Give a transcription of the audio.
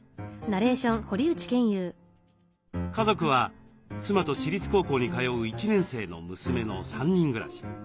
家族は妻と私立高校に通う１年生の娘の３人暮らし。